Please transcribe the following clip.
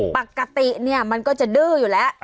ปกติเนี่ยมันก็จะดื้ออยู่แล้ว